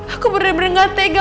aku bener bener gak tega